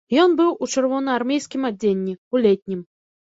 Ён быў у чырвонаармейскім адзенні, у летнім.